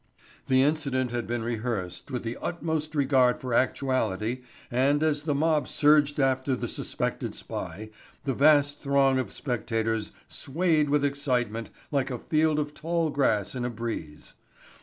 The incident had been rehearsed with the utmost regard for actuality and as the mob surged after the suspected spy the vast throng of spectators swayed with excitement like a field of tall grass in a breeze.